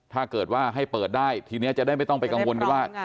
ถ้าเกิดว่าให้เปิดได้ทีนี้จะได้ไม่ต้องไปกังวลกันว่า